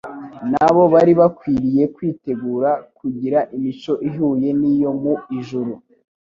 na bo bari bakwiriye kwitegura kugira imico ihuye n'iyo mu ijuru.